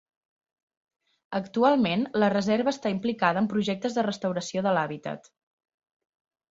Actualment, la reserva està implicada en projectes de restauració de l'hàbitat.